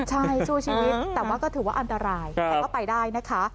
ใช่สู้ชีวิตแต่ว่าก็ถือว่าอันตรายครับเขริงว่าไปได้นะคะ